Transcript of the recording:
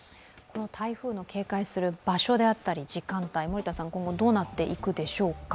この台風の警戒する場所であったり時間帯、今後どうなっていくでしょうか。